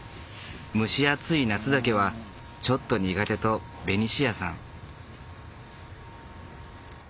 「蒸し暑い夏だけはちょっと苦手」とベニシアさん。